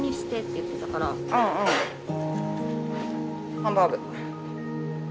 ハンバーグ。